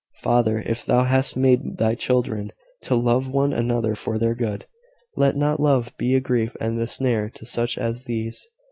Father, if thou hast made thy children to love one another for their good, let not love be a grief and a snare to such as these.